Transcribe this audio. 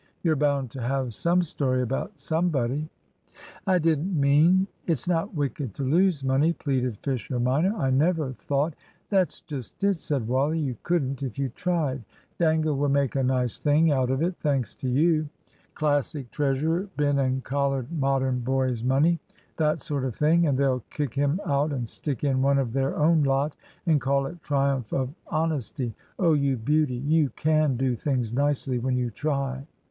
You're bound to have some story about somebody." "I didn't mean It's not wicked to lose money," pleaded Fisher minor. "I never thought " "That's just it," said Wally. "You couldn't if you tried. Dangle will make a nice thing out of it, thanks to you. Classic treasurer been and collared Modern boys' money that sort of thing and they'll kick him out and stick in one of their own lot, and call it triumph of honesty. Oh, you beauty; you can do things nicely when you try?"